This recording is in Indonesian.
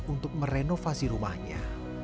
untuk merenovasi rumahnya